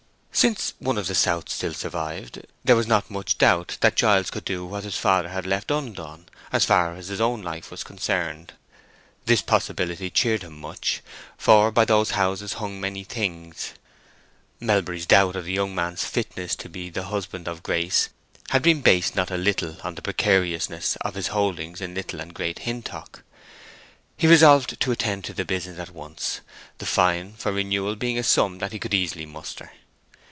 Since one of the Souths still survived, there was not much doubt that Giles could do what his father had left undone, as far as his own life was concerned. This possibility cheered him much, for by those houses hung many things. Melbury's doubt of the young man's fitness to be the husband of Grace had been based not a little on the precariousness of his holdings in Little and Great Hintock. He resolved to attend to the business at once, the fine for renewal being a sum that he could easily muster.